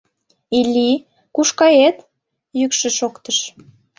— Илли, куш кает? — йӱкшӧ шоктыш.